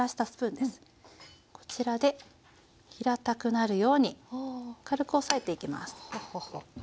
こちらで平たくなるように軽く押さえていきます。